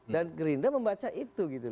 dan gerindra membaca itu